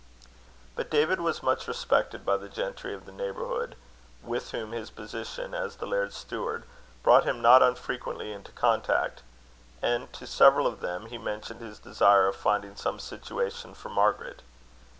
But David was much respected by the gentry of the neighbourhood, with whom his position, as the laird's steward, brought him not unfrequently into contact; and to several of them he mentioned his desire of finding some situation for Margaret.